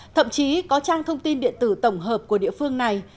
thậm chí có trang thông tin điện tử tổng hợp của địa phương này